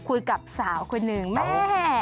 คุยกับสาวคนหนึ่งแม่